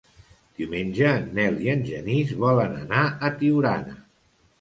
Diumenge en Nel i en Genís volen anar a Tiurana.